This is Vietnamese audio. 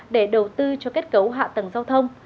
để đầu tư cho kết cấu hạ tầng giao thông